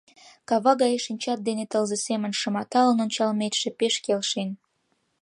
Кава гае шинчат дене тылзе семын шыматалын ончалметше пеш келшен.